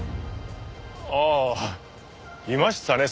ああいましたね